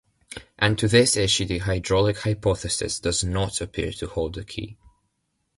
And to this issue the hydraulic hypothesis does not appear to hold the key.